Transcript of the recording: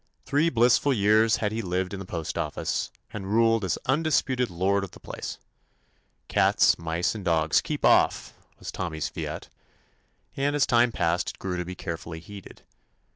Three blissful years had he lived in the postoffice* and ruled as undisputed lord of the place. "Cats, mice, and dogs, keep off I" was Tommy's fiat, and as time passed it grew to be carefully heeded.